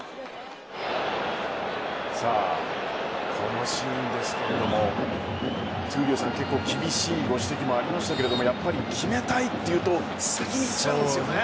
さあ、このシーンですけれども闘莉王さん、厳しいご指摘もありましたけれどもやっぱり決めたいというと先にいっちゃうんですよね。